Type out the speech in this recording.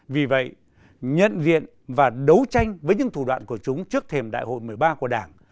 vì vậy nhận diện và đấu tranh với những thủ đoạn của chúng trước thềm đại hội một mươi ba của đảng